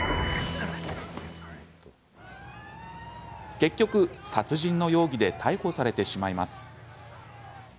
結局、殺人の容疑で逮捕されてしまいます。